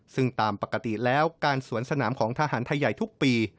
ซึ่งตามปกติแล้วการสวนสนามของทหารไทยใหญ่ทุกปี